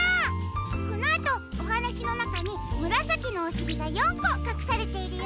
このあとおはなしのなかにむらさきのおしりが４こかくされているよ。